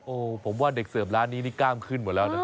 โอ้โหผมว่าเด็กเสิร์ฟร้านนี้นี่กล้ามขึ้นหมดแล้วนะครับ